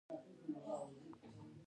طبیعي پیښې مقابله غواړي